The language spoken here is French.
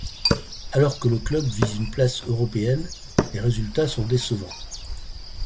Alors que le club vise une place européenne, les résultats sont décevants.